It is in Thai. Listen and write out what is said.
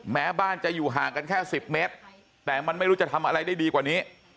แม้บ้านจะอยู่ห่างกันแค่๑๐เมตรแต่มันไม่รู้จะทำอะไรได้ดีกว่านี้